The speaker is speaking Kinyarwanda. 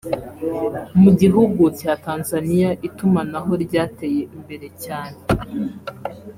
Mu gihugu cya Tanzania itumanaho ryateye imbere cyane